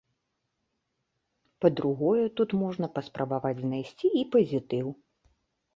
Па-другое, тут можна паспрабаваць знайсці і пазітыў.